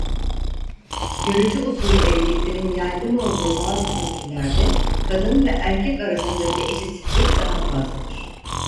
Görücü usulü evliliklerin yaygın olduğu bazı kültürlerde kadın ve erkek arasındaki eşitsizlik daha fazladır.